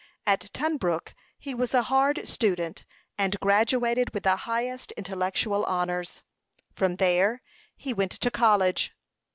At Tunbrook he was a hard student, and graduated with the highest intellectual honors. From there he went to college.